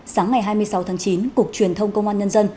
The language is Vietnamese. sáng ngày hai mươi sáu tháng chín cục truyền thông công an nhân dân